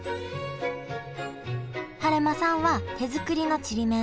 晴間さんは手作りのちりめん